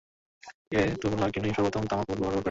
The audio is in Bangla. এ তুবলাকীনই সর্বপ্রথম তামা ও লোহা ব্যবহার করেন।